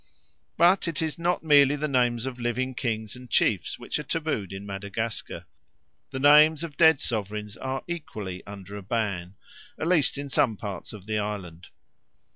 But it is not merely the names of living kings and chiefs which are tabooed in Madagascar; the names of dead sovereigns are equally under a ban, at least in some parts of the island.